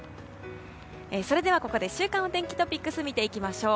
それではここで週間お天気トピックス見ていきましょう。